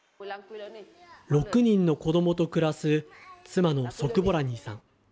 ６人の子どもと暮らす、妻のソクボラニーさん。